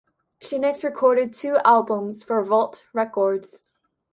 She next recorded two albums for Volt Records.